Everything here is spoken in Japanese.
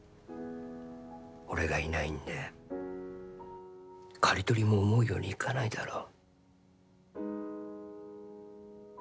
俺がいないんで刈り取りも思うようにいかないだろう。